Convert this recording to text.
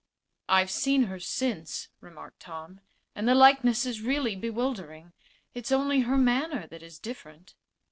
"I've seen her since," remarked Tom, "and the likeness is really bewildering. It's only her manner that is different."